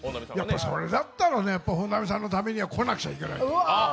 それだったらね、本並さんのためには来なくちゃいけない。